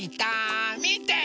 みて！